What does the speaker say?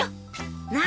何？